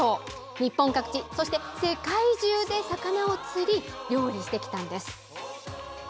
日本各地、そして世界中で魚を釣り、料理してきたんです。